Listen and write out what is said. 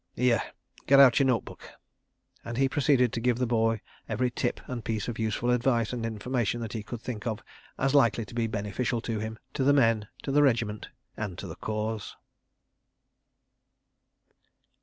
... Here—get out your note book," and he proceeded to give the boy every "tip" and piece of useful advice and information that he could think of as likely to be beneficial to him, to the men, to the regiment, and to the Cause.